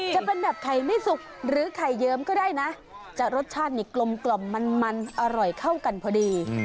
จะเป็นแบบไข่ไม่สุกหรือไข่เยิ้มก็ได้นะจะรสชาตินี่กลมมันอร่อยเข้ากันพอดี